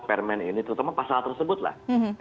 permen ini terutama pasal tersebut lah